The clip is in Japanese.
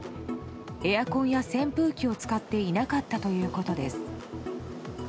エアコンや扇風機を使っていなかったということです。